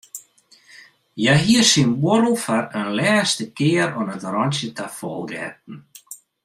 Hja hie syn buorrel foar in lêste kear oan it rântsje ta fol getten.